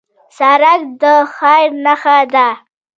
سړک د خیر نښه ده.